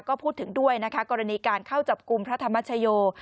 ก็พูดถึงด้วยนะคะกรณีการเข้าจับกลุ่มพระธรรมชโย